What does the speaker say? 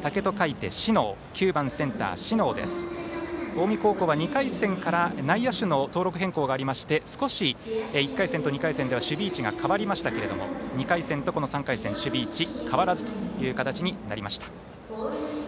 近江高校は２回戦から内野手の登録メンバー変更がありまして守備位置が変わりましたけれども２回戦と３回戦、守備位置変わらずという形になりました。